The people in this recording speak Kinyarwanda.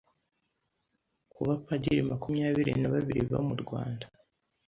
ku bapadiri makumyabiri na babiri bo mu Rwanda